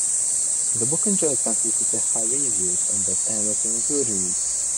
The book enjoys consistently high reviews on both Amazon and Goodreads.